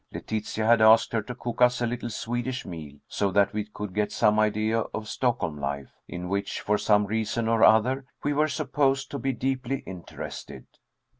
Letitia had asked her to cook us a little Swedish meal, so that we could get some idea of Stockholm life, in which, for some reason or other, we were supposed to be deeply interested.